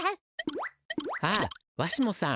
ああわしもさん。